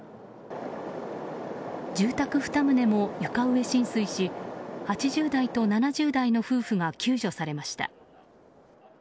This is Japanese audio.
住宅２棟も床上浸水し８０代と７０代の夫婦が救助されました。